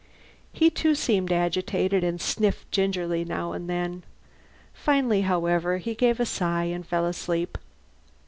He, too, seemed agitated and sniffed gingerly now and then. Finally, however, he gave a sigh and fell asleep.